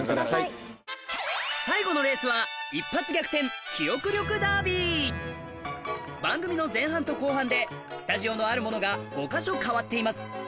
最後のレースは番組の前半と後半でスタジオのあるものが５か所変わっています